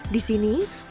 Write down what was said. di sini berhasil